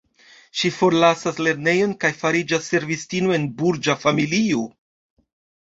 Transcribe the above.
Ŝi forlasas lernejon kaj fariĝas servistino en burĝa familio.